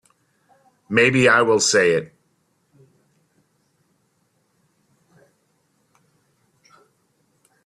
Maybe I will say it.